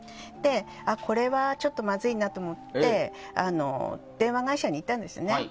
これはちょっとまずいなと思って電話会社に言ったんですね。